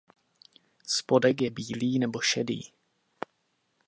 Spodek je bílý nebo šedý.